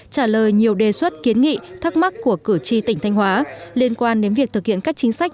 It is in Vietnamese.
trả lời nhiều đề xuất kiến nghị thắc mắc của cử tri tỉnh thanh hóa liên quan đến việc thực hiện các chính sách